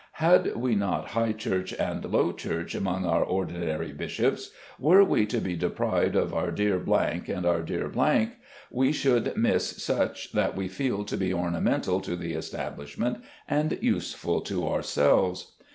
Had we not High Church and Low Church among our ordinary bishops, were we to be deprived of our dear and our dear , we should miss much that we feel to be ornamental to the Establishment and useful to ourselves.